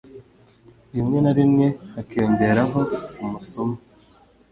Rimwe na rimwe hakiyongeraho umusuma